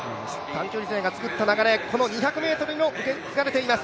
短距離勢がつくった流れ、この２００ｍにも受け継がれています。